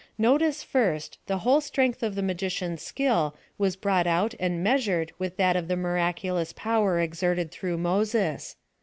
Notice, first, the whole strength of the magicians' skill was brought out and measured with that of the miraculous power exerted through Moses.